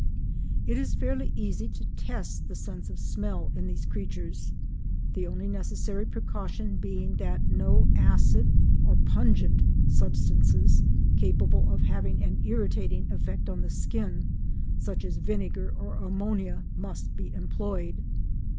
It is fairly easy to test the sense of smell in these creatures, the only necessary precaution being that no acid or pungent substances capable of having an irritating effect on the skin, such as vinegar or ammonia, must be employed.